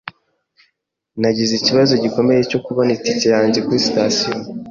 Nagize ikibazo gikomeye cyo kubona itike yanjye kuri sitasiyo.